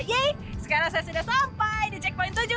yeay sekarang saya sudah sampai di checkpoint tujuh